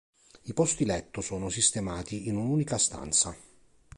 I posti letto sono sistemati in un'unica stanza.